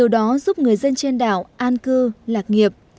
đó giúp người dân trên đảo an cư lạc nghiệp